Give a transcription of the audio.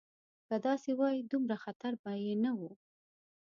که داسې وای دومره خطر به یې نه و.